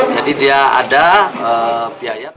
jadi dia ada biaya